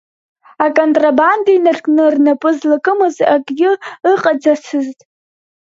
Аконтрабанда инаркны рнапы злакымыз акгьы ыҟаӡацызт.